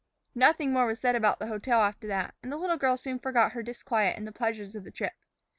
Nothing more was said about the hotel after that, and the little girl soon forgot her disquiet in the pleasures of the trip.